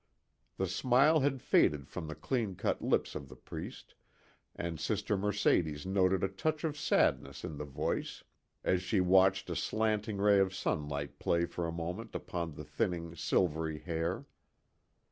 The smile had faded from the clean cut lips of the priest, and Sister Mercedes noted a touch of sadness in the voice, as she watched a slanting ray of sunlight play for a moment upon the thinning, silvery hair.